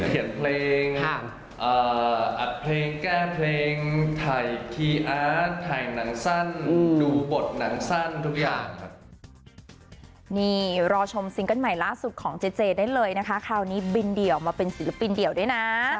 เขียนเพลงอัดเพลงแก้เพลงถ่ายคีย์อาร์ตถ่ายหนังสั้นดูบทหนังสั้นทุกอย่าง